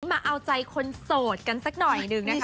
มาเอาใจคนโสดกันสักหน่อยหนึ่งนะคะ